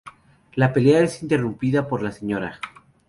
La pelea es interrumpida por la Sra.